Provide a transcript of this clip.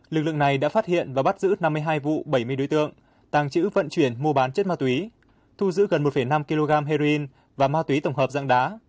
lực lượng này đã phát hiện và bắt giữ năm mươi hai vụ bảy mươi đối tượng tàng trữ vận chuyển mua bán chất ma túy thu giữ gần một năm kg heroin và ma túy tổng hợp dạng đá